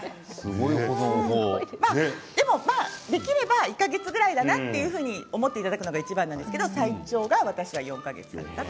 でも、できれば１か月ぐらいだなというふうに思っていただくのがいちばんなんですけど最長は私、４か月でした。